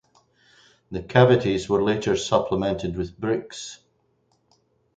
The cavities were later supplemented with bricks.